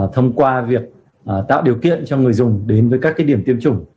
thông qua việc tạo điều kiện cho người dùng đến với các điểm tiêm chủng